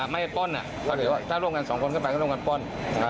ไม่ป้นถ้าร่วมกันสองคนก็ไปก็ร่วมกันป้น